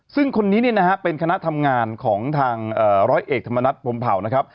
ซึ่งคนนี้เนี่ยนะฮะเป็นคณะทำงานของทางร้อยเอกธรรมนัฐพรมเผานะครับ